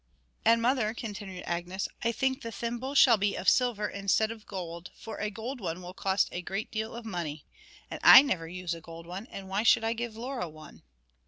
'And, mother,' continued Agnes, 'I think the thimble shall be of silver instead of gold, for a gold one will cost a great deal of money. And I never use a gold one, and why should I give Laura one?'